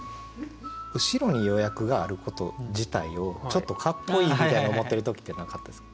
後ろに予約があること自体をちょっとかっこいいみたいに思ってる時ってなかったですか？